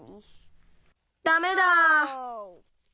ダメだ。